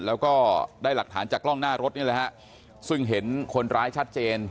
แล้วก็ได้หลักฐานจากกล้องหน้ารถนี่แหละฮะซึ่งเห็นคนร้ายชัดเจน